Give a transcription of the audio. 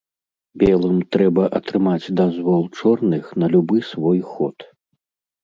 Белым трэба атрымаць дазвол чорных на любы свой ход.